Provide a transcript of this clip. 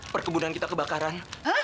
perkebunan kita kebakaran